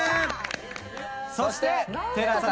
そしてＴＥＬＡＳＡ